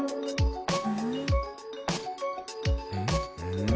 うん？